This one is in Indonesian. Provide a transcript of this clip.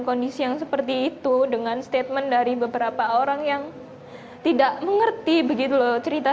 kondisi yang seperti itu dengan statement dari beberapa orang yang tidak mengerti begitu loh cerita